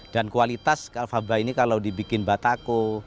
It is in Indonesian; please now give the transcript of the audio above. dan kualitas faba ini kalau dibikin batako